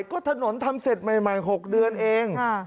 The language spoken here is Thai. ก็ถนนทำเสร็จใหม่๖เดือนเอง